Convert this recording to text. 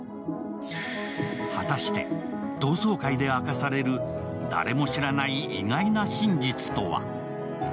果たして同窓会で明かされる、誰も知らない意外な真実とは？